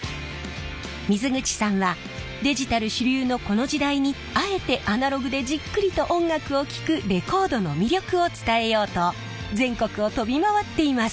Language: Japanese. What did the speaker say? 水口さんはデジタル主流のこの時代にあえてアナログでじっくりと音楽を聴くレコードの魅力を伝えようと全国を飛び回っています。